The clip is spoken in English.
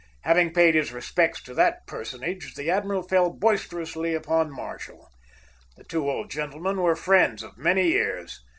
Having paid his respects to that personage, the admiral fell boisterously upon Marshall. The two old gentlemen were friends of many years.